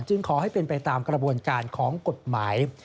ขอให้เป็นไปตามกระบวนการของกฎหมาย